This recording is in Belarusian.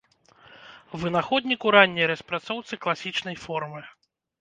Вынаходнік у ранняй распрацоўцы класічнай формы.